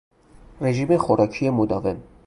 رژیم خوراکی مداوم